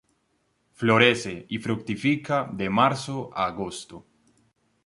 Florece y fructifica de marzo a agosto.